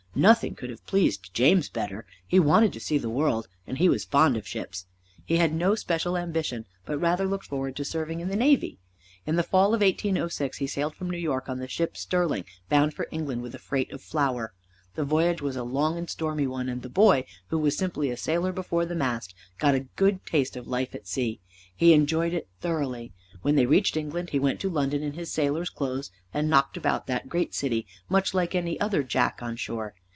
Nothing could have pleased James better. He wanted to see the world, and he was fond of ships. He had no special ambition, but rather looked forward to serving in the navy. In the fall of 1806 he sailed from New York on the ship Sterling bound for England with a freight of flour. The voyage was a long and stormy one, and the boy, who was simply a sailor before the mast, got a good taste of life at sea. He enjoyed it thoroughly. When they reached England he went to London in his sailor's clothes, and knocked about that great city much like any other jack on shore.